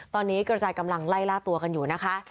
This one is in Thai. ตอนนี้กระจายกำลังไล่ล่าตัวกันอยู่นะคะ